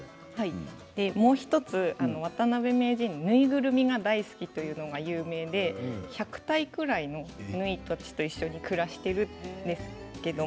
もう１つ、渡辺名人縫いぐるみが大好きというのが有名で１００体ぐらいのぬいたちと暮らしているんです。